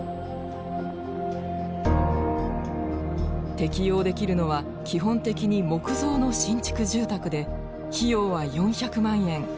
適用できるのは基本的に木造の新築住宅で費用は４００万円。